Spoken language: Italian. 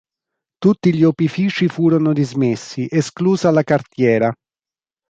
Tutti gli opifici furono dismessi, esclusa la cartiera.